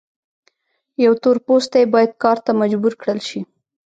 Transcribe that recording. یو تور پوستی باید کار ته مجبور کړل شي.